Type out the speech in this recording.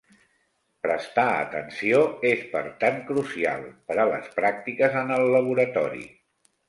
Prestar atenció, és per tant crucial, per a les pràctiques en el laboratori..